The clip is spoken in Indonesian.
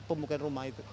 pemukai rumah itu